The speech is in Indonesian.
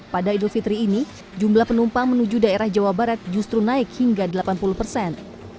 pada idul fitri ini jumlah penumpang menuju daerah jawa barat justru naik hingga delapan puluh persen